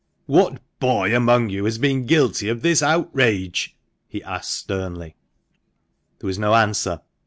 " What boy among you has been guilty of this outrage ?" he asked, sternly. There was no answer.